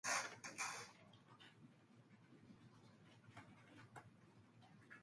宇山兵士毕业于东京帝国大学。